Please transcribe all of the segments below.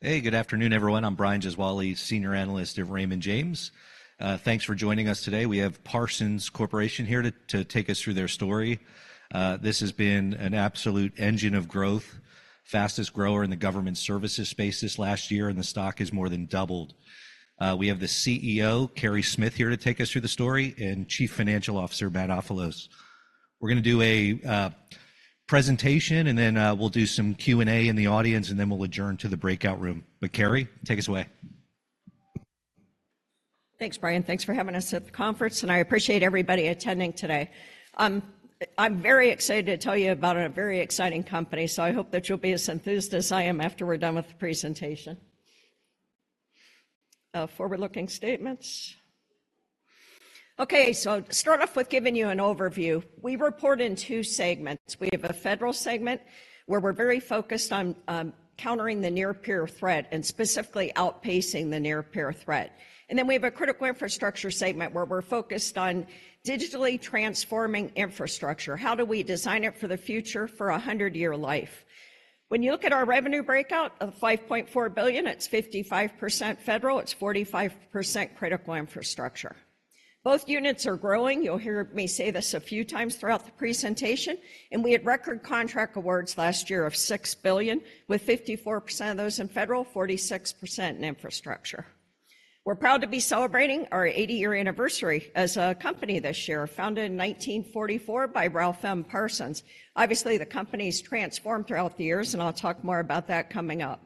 Hey, good afternoon, everyone. I'm Brian Gesuale, Senior Analyst of Raymond James. Thanks for joining us today. We have Parsons Corporation here to take us through their story. This has been an absolute engine of growth, fastest grower in the government services space this last year, and the stock has more than doubled. We have the CEO, Carey Smith, here to take us through the story, and Chief Financial Officer, Matt Ofilos. We're gonna do a presentation, and then we'll do some Q and A in the audience, and then we'll adjourn to the breakout room. But Carey, take us away. Thanks, Brian. Thanks for having us at the conference, and I appreciate everybody attending today. I'm very excited to tell you about a very exciting company, so I hope that you'll be as enthusiastic as I am after we're done with the presentation. Forward-looking statements? Okay, so start off with giving you an overview. We report in two segments. We have a federal segment where we're very focused on countering the near peer threat and specifically outpacing the near peer threat. And then we have a critical infrastructure segment where we're focused on digitally transforming infrastructure. How do we design it for the future, for 100-year life? When you look at our revenue breakout of $5.4 billion, it's 55% federal, it's 45% critical infrastructure. Both units are growing. You'll hear me say this a few times throughout the presentation. We had record contract awards last year of $6 billion, with 54% of those in federal, 46% in infrastructure. We're proud to be celebrating our 80-year anniversary as a company this year, founded in 1944 by Ralph M. Parsons. Obviously, the company's transformed throughout the years, and I'll talk more about that coming up.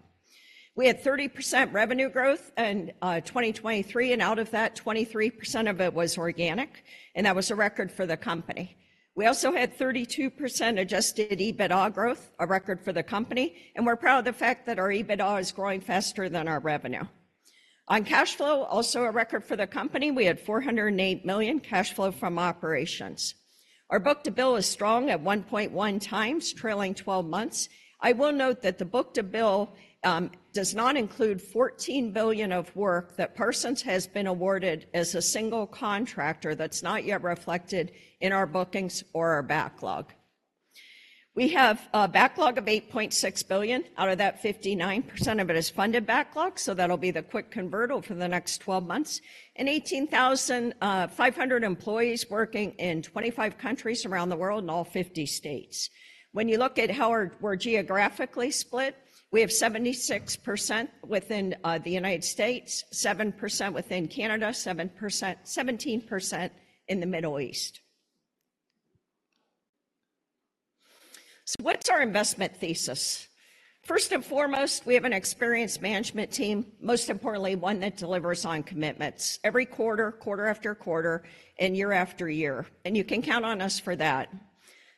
We had 30% revenue growth in 2023, and out of that, 23% of it was organic, and that was a record for the company. We also had 32% adjusted EBITDA growth, a record for the company. We're proud of the fact that our EBITDA is growing faster than our revenue. On cash flow, also a record for the company. We had $408 million cash flow from operations. Our book-to-bill is strong at 1.1 times, trailing 12 months. I will note that the book-to-bill does not include $14 billion of work that Parsons has been awarded as a single contractor that's not yet reflected in our bookings or our backlog. We have a backlog of $8.6 billion. Out of that, 59% of it is funded backlog, so that'll be the quick conversion for the next 12 months. And 18,500 employees working in 25 countries around the world in all 50 states. When you look at how we're geographically split, we have 76% within the United States, 7% within Canada, 7% 17% in the Middle East. So what's our investment thesis? First and foremost, we have an experienced management team, most importantly, one that delivers on commitments every quarter, quarter after quarter, and year after year. And you can count on us for that.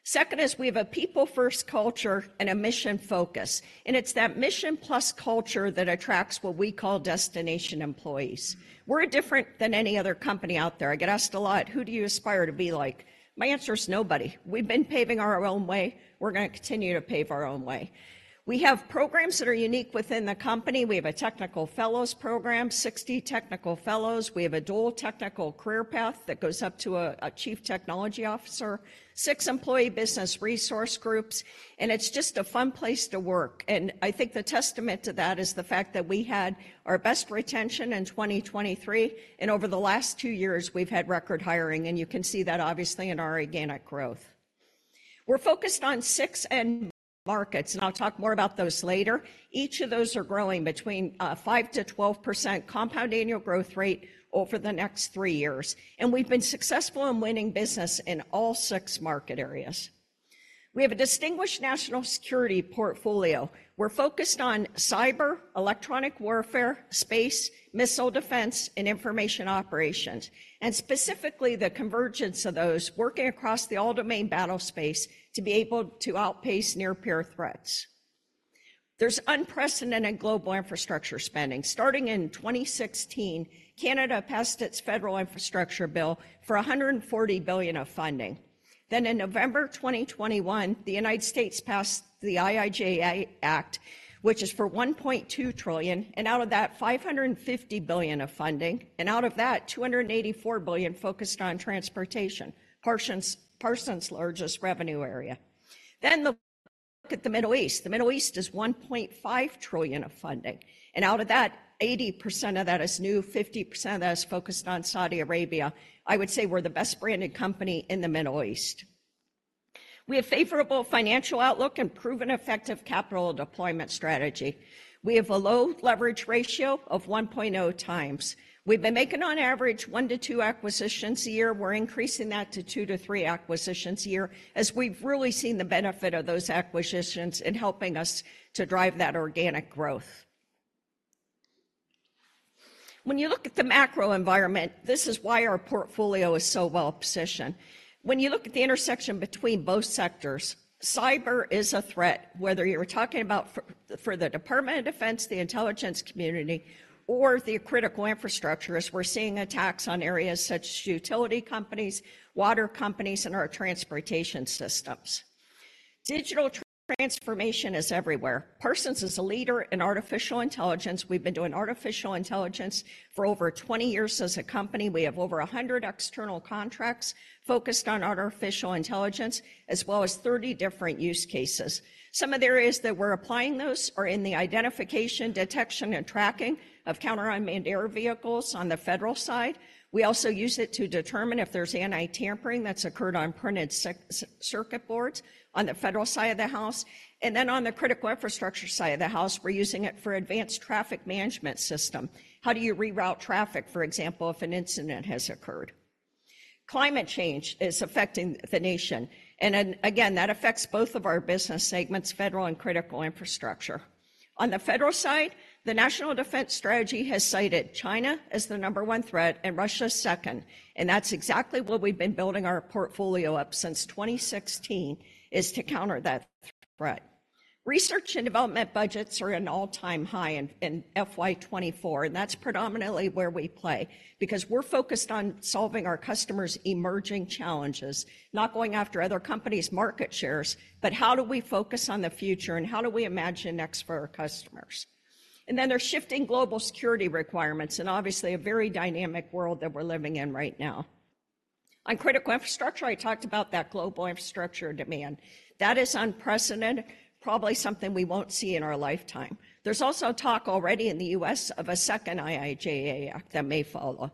Second is we have a people-first culture and a mission focus. It's that mission-plus culture that attracts what we call destination employees. We're different than any other company out there. I get asked a lot, "Who do you aspire to be like?" My answer is nobody. We've been paving our own way. We're gonna continue to pave our own way. We have programs that are unique within the company. We have a technical fellows program, 60 technical fellows. We have a dual technical career path that goes up to a Chief Technology Officer, six employee business resource groups. And it's just a fun place to work. And I think the testament to that is the fact that we had our best retention in 2023. And over the last two years, we've had record hiring. And you can see that, obviously, in our organic growth. We're focused on six end markets, and I'll talk more about those later. Each of those are growing between 5%-12% compound annual growth rate over the next three years. We've been successful in winning business in all six market areas. We have a distinguished national security portfolio. We're focused on cyber, electronic warfare, space, missile defense, and information operations, and specifically the convergence of those, working across the all-domain battle space to be able to outpace near peer threats. There's unprecedented global infrastructure spending. Starting in 2016, Canada passed its federal infrastructure bill for $140 billion of funding. In November 2021, the United States passed the IIJA, which is for $1.2 trillion. And out of that, $550 billion of funding. And out of that, $284 billion focused on transportation, Parsons' largest revenue area. Look at the Middle East. The Middle East is $1.5 trillion of funding. Out of that, 80% of that is new, 50% of that is focused on Saudi Arabia. I would say we're the best-branded company in the Middle East. We have a favorable financial outlook and proven effective capital deployment strategy. We have a low leverage ratio of 1.0x. We've been making, on average, 1-2 acquisitions a year. We're increasing that to 2-3 acquisitions a year as we've really seen the benefit of those acquisitions in helping us to drive that organic growth. When you look at the macro environment, this is why our portfolio is so well positioned. When you look at the intersection between both sectors, cyber is a threat, whether you were talking about for the Department of Defense, the intelligence community, or the critical infrastructure as we're seeing attacks on areas such as utility companies, water companies, and our transportation systems. Digital transformation is everywhere. Parsons is a leader in artificial intelligence. We've been doing artificial intelligence for over 20 years as a company. We have over 100 external contracts focused on artificial intelligence, as well as 30 different use cases. Some of the areas that we're applying those are in the identification, detection, and tracking of counter-unmanned air vehicles on the federal side. We also use it to determine if there's anti-tampering that's occurred on printed circuit boards on the federal side of the house. And then on the critical infrastructure side of the house, we're using it for advanced traffic management systems. How do you reroute traffic, for example, if an incident has occurred? Climate change is affecting the nation. And again, that affects both of our business segments, federal and critical infrastructure. On the federal side, the national defense strategy has cited China as the number one threat and Russia second. That's exactly what we've been building our portfolio up since 2016, is to counter that threat. Research and development budgets are at an all-time high in FY2024. That's predominantly where we play because we're focused on solving our customers' emerging challenges, not going after other companies' market shares, but how do we focus on the future and how do we imagine next for our customers? Then there's shifting global security requirements and, obviously, a very dynamic world that we're living in right now. On critical infrastructure, I talked about that global infrastructure demand. That is unprecedented, probably something we won't see in our lifetime. There's also talk already in the U.S. of a second IIJA that may follow.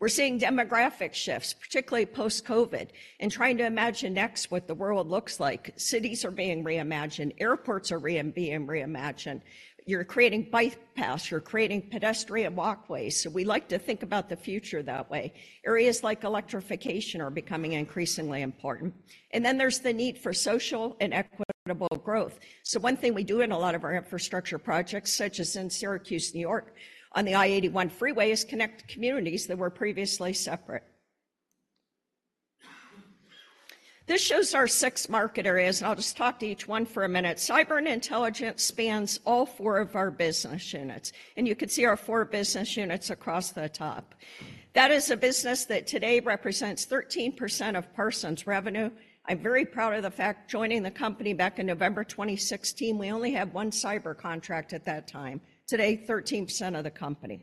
We're seeing demographic shifts, particularly post-COVID, and trying to imagine next what the world looks like. Cities are being reimagined. Airports are being reimagined. You're creating bypass. You're creating pedestrian walkways. So we like to think about the future that way. Areas like electrification are becoming increasingly important. And then there's the need for social and equitable growth. So one thing we do in a lot of our infrastructure projects, such as in Syracuse, New York, on the I-81 freeway, is connect communities that were previously separate. This shows our six market areas, and I'll just talk to each one for a minute. Cyber and intelligence spans all four of our business units. And you can see our four business units across the top. That is a business that today represents 13% of Parsons' revenue. I'm very proud of the fact. Joining the company back in November 2016, we only had one cyber contract at that time. Today, 13% of the company.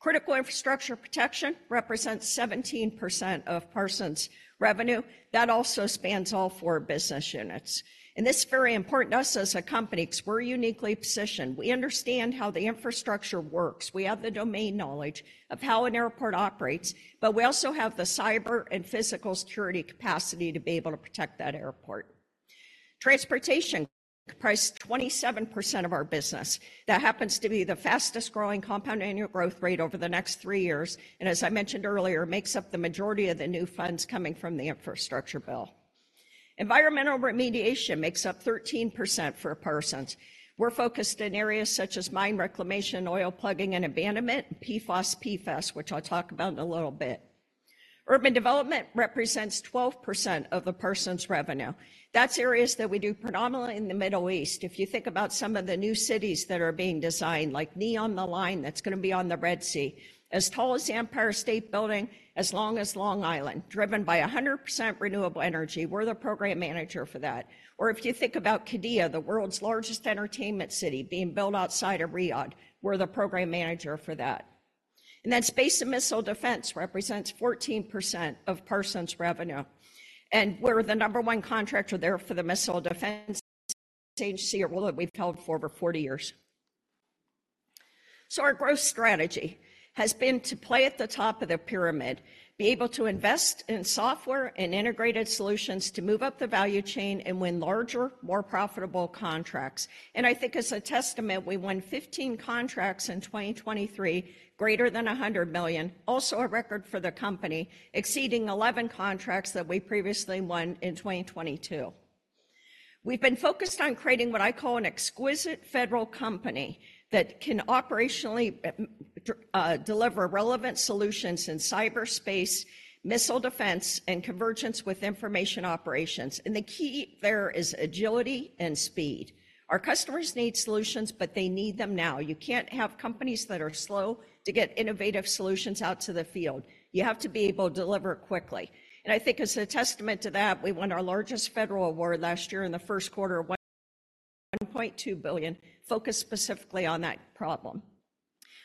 Critical infrastructure protection represents 17% of Parsons' revenue. That also spans all four business units. And this is very important to us as a company because we're uniquely positioned. We understand how the infrastructure works. We have the domain knowledge of how an airport operates, but we also have the cyber and physical security capacity to be able to protect that airport. Transportation comprises 27% of our business. That happens to be the fastest growing compound annual growth rate over the next three years. And as I mentioned earlier, it makes up the majority of the new funds coming from the infrastructure bill. Environmental remediation makes up 13% for Parsons. We're focused in areas such as mine reclamation, oil plugging, and abandonment, PFOS, PFAS, which I'll talk about in a little bit. Urban development represents 12% of Parsons' revenue. That's areas that we do predominantly in the Middle East. If you think about some of the new cities that are being designed, like NEOM, The Line that's gonna be on the Red Sea, as tall as Empire State Building, as long as Long Island, driven by 100% renewable energy, we're the program manager for that. Or if you think about Qiddiya, the world's largest entertainment city, being built outside of Riyadh, we're the program manager for that. And then Space and Missile Defense represents 14% of Parsons' revenue. And we're the number one contractor there for the Missile Defense Agency that we've held for over 40 years. So our growth strategy has been to play at the top of the pyramid, be able to invest in software and integrated solutions to move up the value chain and win larger, more profitable contracts. And I think as a testament, we won 15 contracts in 2023, greater than $100 million, also a record for the company, exceeding 11 contracts that we previously won in 2022. We've been focused on creating what I call an exquisite federal company that can operationally deliver relevant solutions in cyberspace, missile defense, and convergence with information operations. And the key there is agility and speed. Our customers need solutions, but they need them now. You can't have companies that are slow to get innovative solutions out to the field. You have to be able to deliver quickly. And I think as a testament to that, we won our largest federal award last year in the first quarter, $1.2 billion, focused specifically on that problem.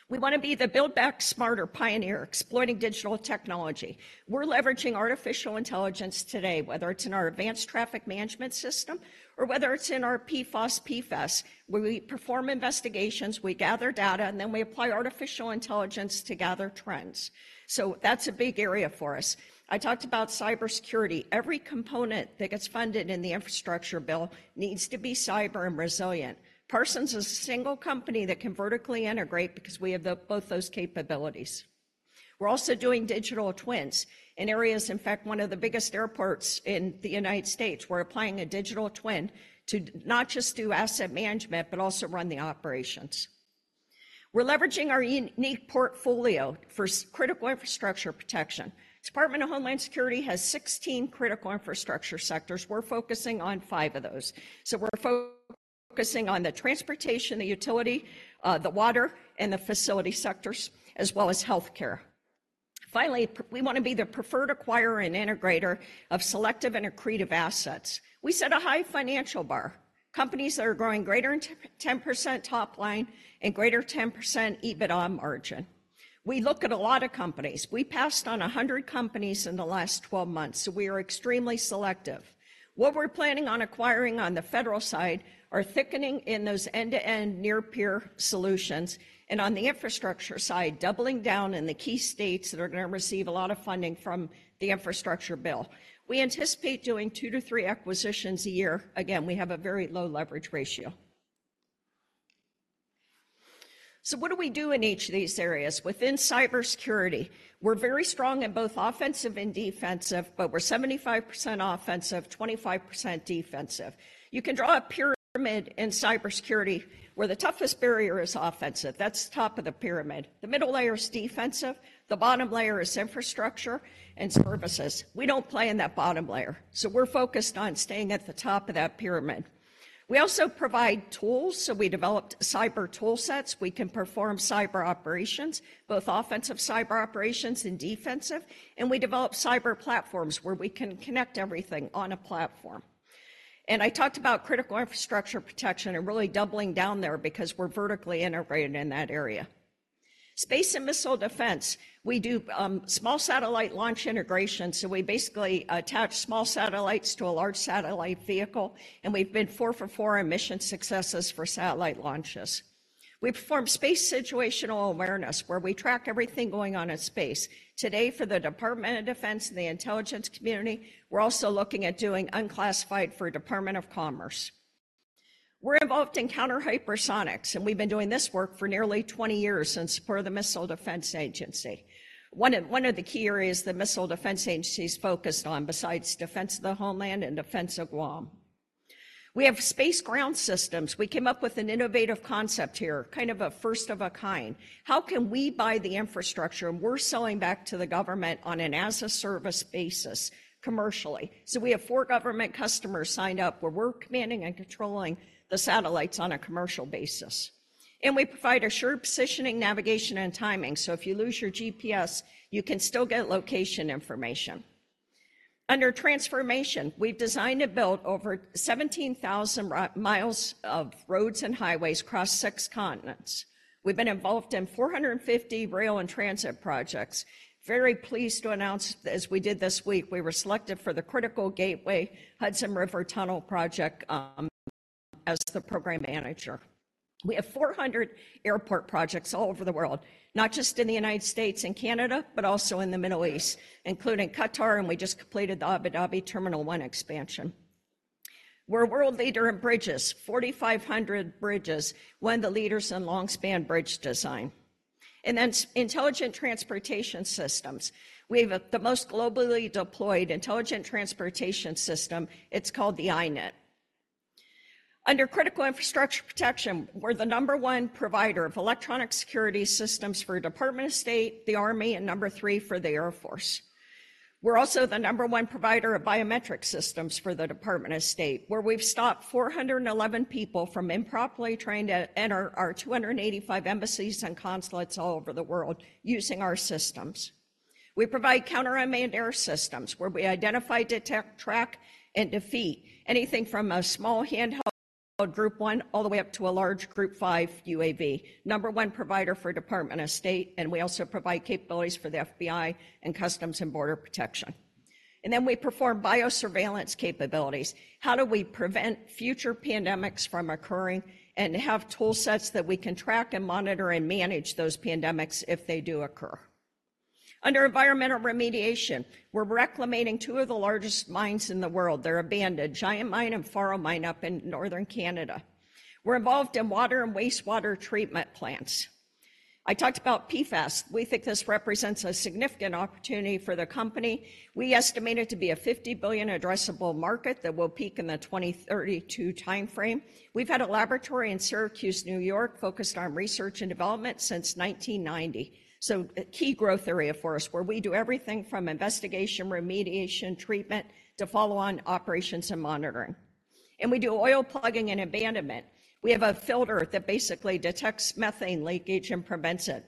We wanna be the Build Back Smarter pioneer, exploiting digital technology. We're leveraging artificial intelligence today, whether it's in our advanced traffic management system or whether it's in our PFOS, PFAS, where we perform investigations, we gather data, and then we apply artificial intelligence to gather trends. So that's a big area for us. I talked about cybersecurity. Every component that gets funded in the infrastructure bill needs to be cyber and resilient. Parsons is a single company that can vertically integrate because we have both those capabilities. We're also doing digital twins in areas, in fact, one of the biggest airports in the United States. We're applying a digital twin to not just do asset management but also run the operations. We're leveraging our unique portfolio for critical infrastructure protection. The Department of Homeland Security has 16 critical infrastructure sectors. We're focusing on five of those. So we're focusing on the transportation, the utility, the water, and the facility sectors, as well as healthcare. Finally, we wanna be the preferred acquirer and integrator of selective and accretive assets. We set a high financial bar. Companies that are growing greater than 10% top line and greater than 10% EBITDA margin. We look at a lot of companies. We passed on 100 companies in the last 12 months, so we are extremely selective. What we're planning on acquiring on the federal side are thickening in those end-to-end near peer solutions and, on the infrastructure side, doubling down in the key states that are gonna receive a lot of funding from the infrastructure bill. We anticipate doing two to three acquisitions a year. Again, we have a very low leverage ratio. So what do we do in each of these areas? Within cybersecurity, we're very strong in both offensive and defensive, but we're 75% offensive, 25% defensive. You can draw a pyramid in cybersecurity where the toughest barrier is offensive. That's the top of the pyramid. The middle layer is defensive. The bottom layer is infrastructure and services. We don't play in that bottom layer, so we're focused on staying at the top of that pyramid. We also provide tools, so we developed cyber tool sets. We can perform cyber operations, both offensive cyber operations and defensive. And we develop cyber platforms where we can connect everything on a platform. And I talked about critical infrastructure protection and really doubling down there because we're vertically integrated in that area. Space and Missile Defense, we do small satellite launch integration. So we basically attach small satellites to a large satellite vehicle. And we've been four for four in mission successes for satellite launches. We perform space situational awareness where we track everything going on in space. Today, for the Department of Defense and the intelligence community, we're also looking at doing unclassified for Department of Commerce. We're involved in counter-hypersonics, and we've been doing this work for nearly 20 years in support of the Missile Defense Agency. One of the key areas the missile defense agencies focused on, besides defense of the homeland and defense of Guam. We have space ground systems. We came up with an innovative concept here, kind of a first of a kind. How can we buy the infrastructure? And we're selling back to the government on an as-a-service basis commercially. So we have four government customers signed up where we're commanding and controlling the satellites on a commercial basis. And we provide assured positioning, navigation, and timing. So if you lose your GPS, you can still get location information. Under transformation, we've designed and built over 17,000 miles of roads and highways across 6 continents. We've been involved in 450 rail and transit projects. Very pleased to announce, as we did this week, we were selected for the Critical Gateway Hudson River Tunnel Project as the program manager. We have 400 airport projects all over the world, not just in the United States and Canada, but also in the Middle East, including Qatar. And we just completed the Abu Dhabi Terminal 1 expansion. We're a world leader in bridges. 4,500 bridges won the leaders in long-span bridge design. And then intelligent transportation systems. We have the most globally deployed intelligent transportation system. It's called the iNET. Under critical infrastructure protection, we're the number one provider of electronic security systems for the Department of State, the Army, and number three for the Air Force. We're also the number one provider of biometric systems for the Department of State, where we've stopped 411 people from improperly trying to enter our 285 embassies and consulates all over the world using our systems. We provide counter-unmanned air systems where we identify, detect, track, and defeat anything from a small handheld Group 1 all the way up to a large Group 5 UAV, number one provider for the Department of State. And we also provide capabilities for the FBI and Customs and Border Protection. And then we perform biosurveillance capabilities. How do we prevent future pandemics from occurring and have tool sets that we can track and monitor and manage those pandemics if they do occur? Under environmental remediation, we're reclaiming two of the largest mines in the world. They're abandoned, Giant Mine and Faro Mine, up in northern Canada. We're involved in water and wastewater treatment plants. I talked about PFAS. We think this represents a significant opportunity for the company. We estimate it to be a $50 billion addressable market that will peak in the 2032 timeframe. We've had a laboratory in Syracuse, New York, focused on research and development since 1990. So a key growth area for us where we do everything from investigation, remediation, treatment, to follow-on operations and monitoring. And we do oil plugging and abandonment. We have a filter that basically detects methane leakage and prevents it.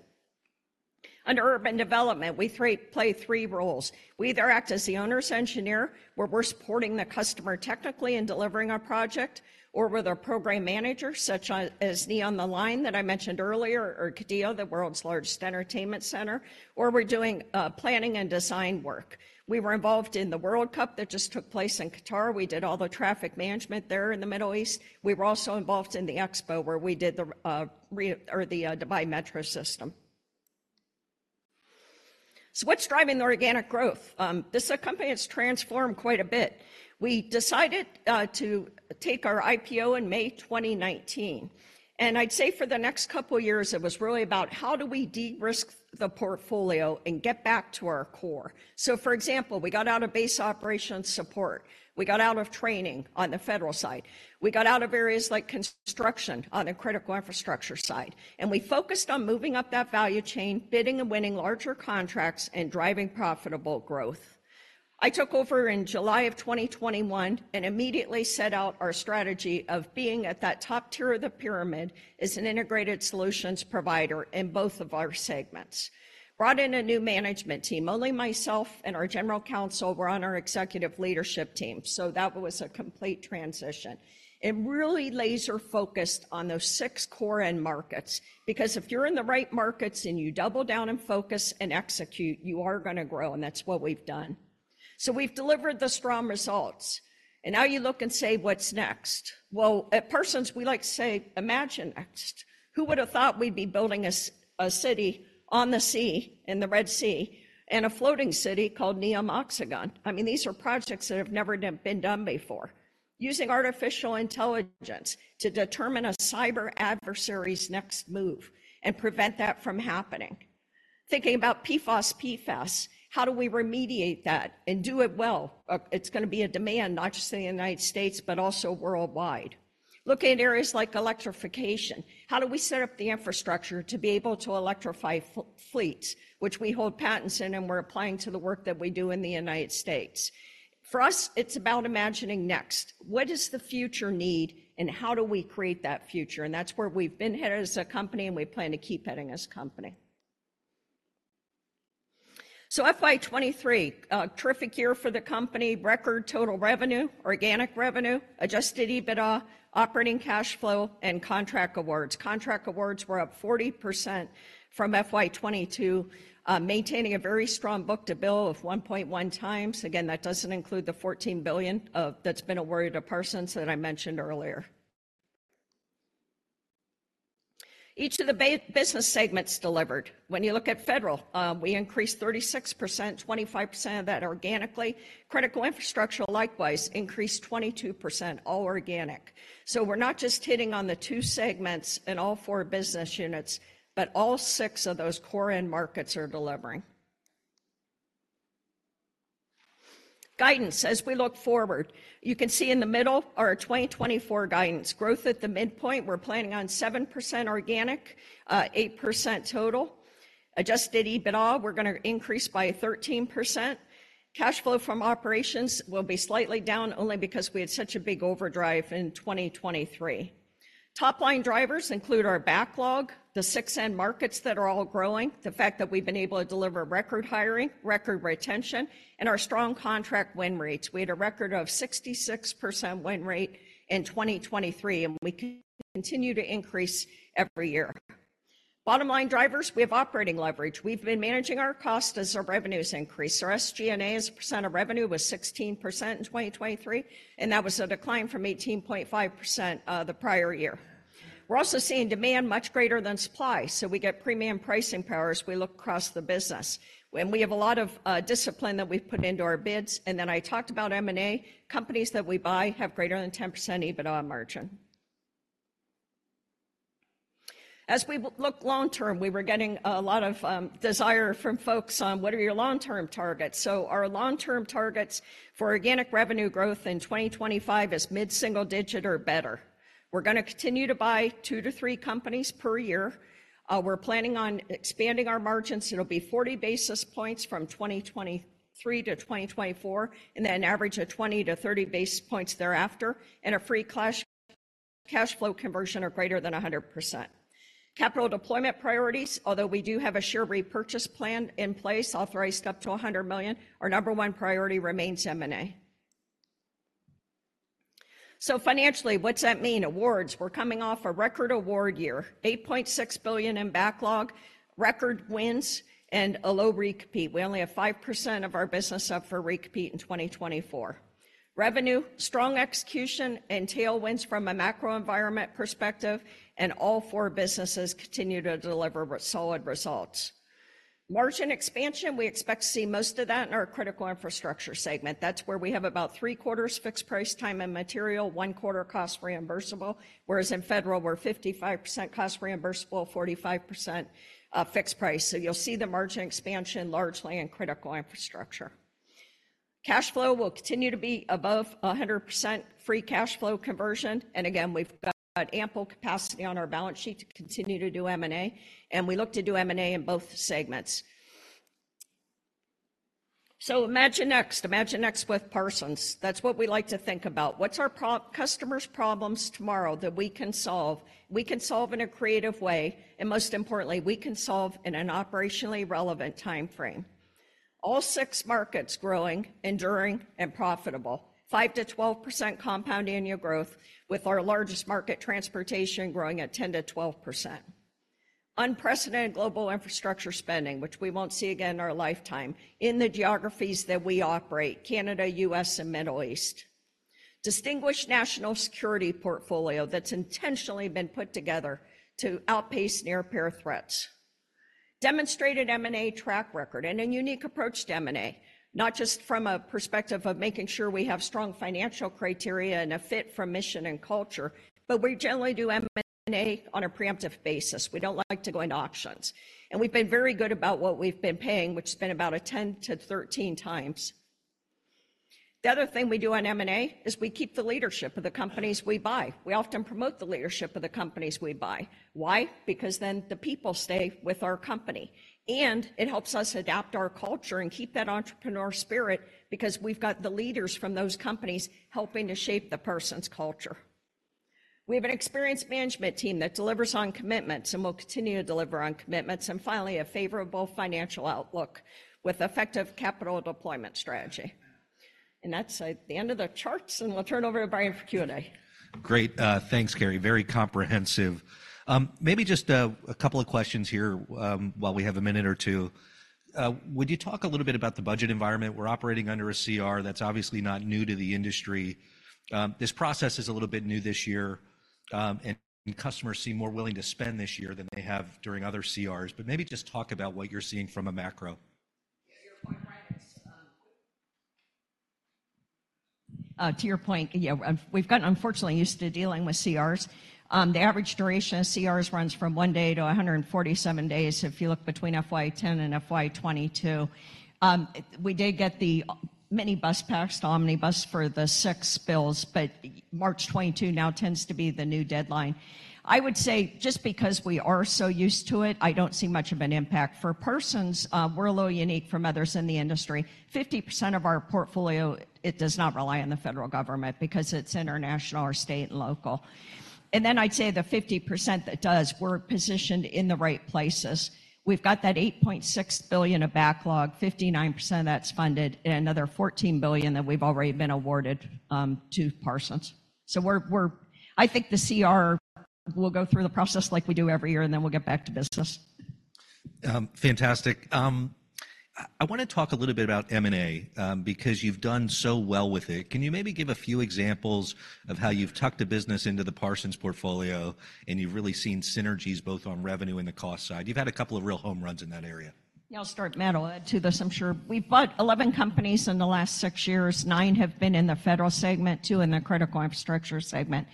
Under urban development, we play three roles. We either act as the owner's engineer, where we're supporting the customer technically and delivering a project, or we're the program manager, such as NEOM, The Line that I mentioned earlier or Qiddiya, the world's largest entertainment center, or we're doing planning and design work. We were involved in the World Cup that just took place in Qatar. We did all the traffic management there in the Middle East. We were also involved in the Expo, where we did the Dubai Metro system. So what's driving the organic growth? This company has transformed quite a bit. We decided to take our IPO in May 2019. I'd say for the next couple of years, it was really about how do we de-risk the portfolio and get back to our core. So, for example, we got out of base operations support. We got out of training on the federal side. We got out of areas like construction on the critical infrastructure side. We focused on moving up that value chain, bidding and winning larger contracts, and driving profitable growth. I took over in July of 2021 and immediately set out our strategy of being at that top tier of the pyramid as an integrated solutions provider in both of our segments. Brought in a new management team. Only myself and our general counsel were on our executive leadership team. So that was a complete transition and really laser-focused on those six core end markets because if you're in the right markets and you double down and focus and execute, you are gonna grow. That's what we've done. So we've delivered the strong results. And now you look and say, "What's next?" Well, at Parsons, we like to say, "Imagine next." Who would've thought we'd be building a city on the sea, in the Red Sea, and a floating city called NEOM Oxagon? I mean, these are projects that have never been done before, using artificial intelligence to determine a cyber adversary's next move and prevent that from happening. Thinking about PFOS, PFAS, how do we remediate that and do it well? It's gonna be a demand, not just in the United States, but also worldwide. Looking at areas like electrification, how do we set up the infrastructure to be able to electrify fleets, which we hold patents in and we're applying to the work that we do in the United States? For us, it's about imagining next. What does the future need and how do we create that future? That's where we've been headed as a company, and we plan to keep heading as a company. FY23, terrific year for the company, record total revenue, organic revenue, Adjusted EBITDA, operating cash flow, and contract awards. Contract awards were up 40% from FY22, maintaining a very strong book-to-bill of 1.1 times. Again, that doesn't include the $14 billion that's been awarded to Parsons that I mentioned earlier. Each of the business segments delivered. When you look at Federal, we increased 36%, 25% of that organically. Critical Infrastructure, likewise, increased 22%, all organic. We're not just hitting on the two segments in all four business units, but all six of those core end markets are delivering. Guidance, as we look forward, you can see in the middle are 2024 guidance. Growth at the midpoint, we're planning on 7% organic, 8% total. Adjusted EBITDA, we're gonna increase by 13%. Cash flow from operations will be slightly down only because we had such a big overdrive in 2023. Top line drivers include our backlog, the six end markets that are all growing, the fact that we've been able to deliver record hiring, record retention, and our strong contract win rates. We had a record of 66% win rate in 2023, and we continue to increase every year. Bottom line drivers, we have operating leverage. We've been managing our cost as our revenues increase. Our SG&A as a percent of revenue was 16% in 2023, and that was a decline from 18.5% the prior year. We're also seeing demand much greater than supply. So we get premium pricing power as we look across the business. And we have a lot of discipline that we've put into our bids. And then I talked about M&A. Companies that we buy have greater than 10% EBITDA margin. As we look long term, we were getting a lot of desire from folks on what are your long-term targets? So our long-term targets for organic revenue growth in 2025 is mid-single digit or better. We're gonna continue to buy two to three companies per year. We're planning on expanding our margins. It'll be 40 basis points from 2023 to 2024, and then an average of 20-30 basis points thereafter. And a free cash flow conversion of greater than 100%. Capital deployment priorities, although we do have a share repurchase plan in place authorized up to $100 million, our number one priority remains M&A. So financially, what's that mean? Awards. We're coming off a record award year, $8.6 billion in backlog, record wins, and a low re-compete. We only have 5% of our business up for re-compete in 2024. Revenue, strong execution, and tailwinds from a macro environment perspective. All four businesses continue to deliver solid results. Margin expansion, we expect to see most of that in our critical infrastructure segment. That's where we have about three quarters fixed price time and material, one quarter cost reimbursable, whereas in federal, we're 55% cost reimbursable, 45% fixed price. So you'll see the margin expansion largely in critical infrastructure. Cash flow will continue to be above 100% free cash flow conversion. Again, we've got ample capacity on our balance sheet to continue to do M&A. We look to do M&A in both segments. So imagine next. Imagine next with Parsons. That's what we like to think about. What's our customer's problems tomorrow that we can solve? We can solve in a creative way. Most importantly, we can solve in an operationally relevant timeframe. All six markets growing, enduring, and profitable, 5%-12% compound annual growth with our largest market, transportation, growing at 10%-12%. Unprecedented global infrastructure spending, which we won't see again in our lifetime in the geographies that we operate, Canada, U.S., and Middle East. Distinguished national security portfolio that's intentionally been put together to outpace near-peer threats. Demonstrated M&A track record and a unique approach to M&A, not just from a perspective of making sure we have strong financial criteria and a fit for mission and culture, but we generally do M&A on a preemptive basis. We don't like to go into auctions. We've been very good about what we've been paying, which has been about a 10-13x. The other thing we do on M&A is we keep the leadership of the companies we buy. We often promote the leadership of the companies we buy. Why? Because then the people stay with our company. And it helps us adapt our culture and keep that entrepreneurial spirit because we've got the leaders from those companies helping to shape the Parsons culture. We have an experienced management team that delivers on commitments and will continue to deliver on commitments. And finally, a favorable financial outlook with effective capital deployment strategy. And that's the end of the charts. And we'll turn over to Brian for Q&A. Great. Thanks, Carey. Very comprehensive. Maybe just a couple of questions here while we have a minute or two. Would you talk a little bit about the budget environment? We're operating under a CR that's obviously not new to the industry. This process is a little bit new this year. Customers seem more willing to spend this year than they have during other CRs. Maybe just talk about what you're seeing from a macro. Yeah, you're quite right. To your point, yeah, we've gotten unfortunately used to dealing with CRs. The average duration of CRs runs from one day to 147 days if you look between FY2010 and FY2022. We did get the minibus package to Omnibus for the six bills, but March 22 now tends to be the new deadline. I would say just because we are so used to it, I don't see much of an impact. For Parsons, we're a little unique from others in the industry. 50% of our portfolio, it does not rely on the federal government because it's international or state and local. And then I'd say the 50% that does, we're positioned in the right places. We've got that $8.6 billion of backlog. 59% of that's funded and another $14 billion that we've already been awarded to Parsons. So I think the CR will go through the process like we do every year, and then we'll get back to business. Fantastic. I wanna talk a little bit about M&A because you've done so well with it. Can you maybe give a few examples of how you've tucked a business into the Parsons portfolio and you've really seen synergies both on revenue and the cost side? You've had a couple of real home runs in that area. Yeah, I'll start. Matt, I'll add to this. I'm sure we bought 11 companies in the last six years. Nine have been in the federal segment, two in the critical infrastructure segment.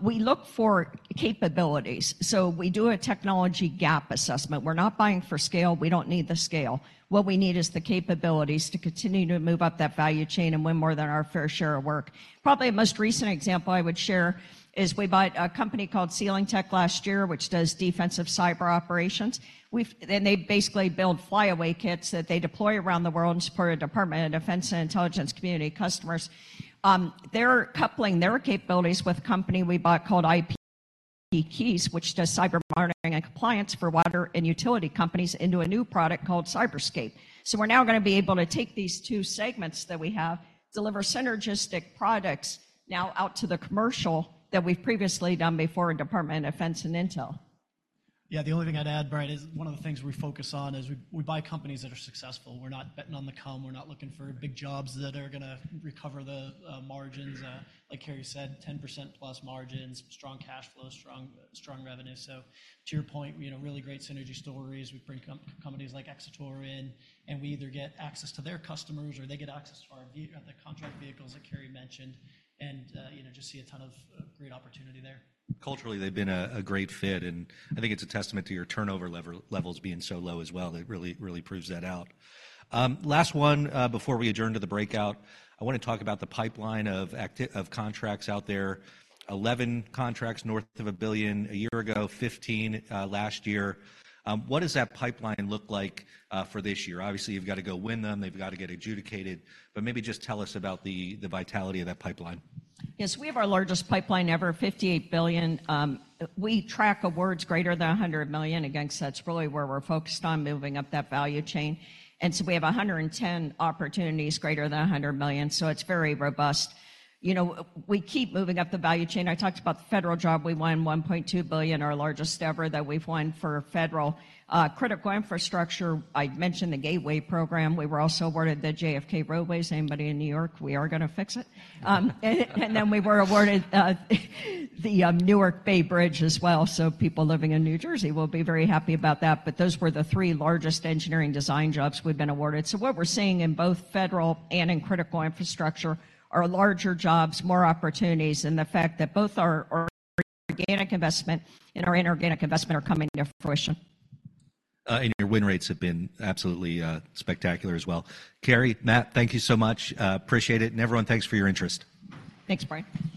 We look for capabilities. So we do a technology gap assessment. We're not buying for scale. We don't need the scale. What we need is the capabilities to continue to move up that value chain and win more than our fair share of work. Probably the most recent example I would share is we bought a company called Sealing Technologies last year, which does defensive cyber operations. And they basically build flyaway kits that they deploy around the world in support of Department of Defense and Intelligence Community customers. They're coupling their capabilities with a company we bought called IPKeys, which does cyber monitoring and compliance for water and utility companies, into a new product called CyberZcape. We're now gonna be able to take these two segments that we have, deliver synergistic products now out to the commercial that we've previously done before in Department of Defense and Intel. Yeah, the only thing I'd add, Brian, is one of the things we focus on is we buy companies that are successful. We're not betting on the come. We're not looking for big jobs that are gonna recover the margins. Like Carey said, 10%+ margins, strong cash flow, strong revenue. So to your point, really great synergy stories. We bring companies like Xator in, and we either get access to their customers or they get access to our contract vehicles that Carey mentioned and just see a ton of great opportunity there. Culturally, they've been a great fit. I think it's a testament to your turnover levels being so low as well. It really proves that out. Last one before we adjourn to the breakout, I wanna talk about the pipeline of contracts out there. 11 contracts north of $1 billion a year ago, 15 last year. What does that pipeline look like for this year? Obviously, you've gotta go win them. They've gotta get adjudicated. Maybe just tell us about the vitality of that pipeline. Yes, we have our largest pipeline ever, $58 billion. We track awards greater than $100 million. Again, so that's really where we're focused on, moving up that value chain. And so we have 110 opportunities greater than $100 million. So it's very robust. You know, we keep moving up the value chain. I talked about the federal job we won in $1.2 billion, our largest ever that we've won for federal. Critical infrastructure, I mentioned the Gateway Program. We were also awarded the JFK roadways. Anybody in New York, we are gonna fix it. And then we were awarded the Newark Bay Bridge as well. So people living in New Jersey will be very happy about that. But those were the three largest engineering design jobs we've been awarded. What we're seeing in both federal and in critical infrastructure are larger jobs, more opportunities, and the fact that both our organic investment and our inorganic investment are coming to fruition. Your win rates have been absolutely spectacular as well. Carey, Matt, thank you so much. Appreciate it. Everyone, thanks for your interest. Thanks, Brian.